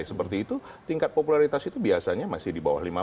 seperti itu tingkat popularitas itu biasanya masih di bawah lima puluh